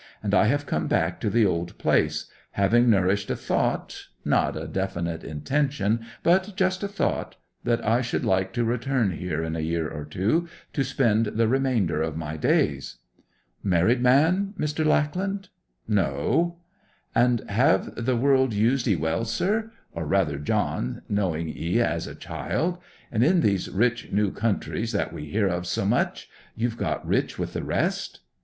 'And I have come back to the old place, having nourished a thought—not a definite intention, but just a thought—that I should like to return here in a year or two, to spend the remainder of my days.' 'Married man, Mr. Lackland?' 'No.' 'And have the world used 'ee well, sir—or rather John, knowing 'ee as a child? In these rich new countries that we hear of so much, you've got rich with the rest?